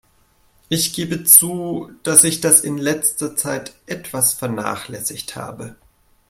Ich gebe zu, dass ich das in letzter Zeit etwas vernachlässigt habe.